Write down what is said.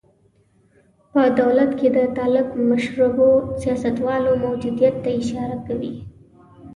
په دولت کې د طالب مشربو سیاستوالو موجودیت ته اشاره کوي.